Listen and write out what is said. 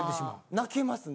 泣きますね。